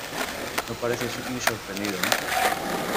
no pareces muy sorprendido, no.